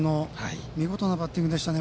見事なバッティングでしたね。